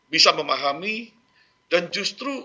bisa memahami dan justru